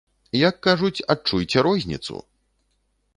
Як кажуць, адчуйце розніцу!